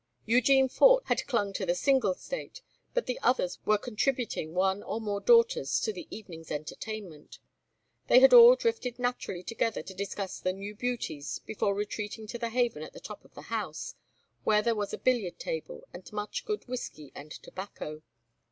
Eugene Fort had clung to the single state, but the others were contributing one or more daughters to the evening's entertainment; and they had all drifted naturally together to discuss the new beauties before retreating to the haven at the top of the house where there was a billiard table and much good whiskey and tobacco.